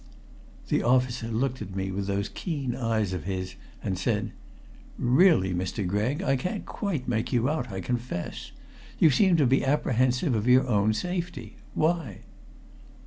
The officer looked at me with those keen eyes of his, and said: "Really, Mr. Gregg, I can't quite make you out, I confess. You seem to be apprehensive of your own safety. Why?"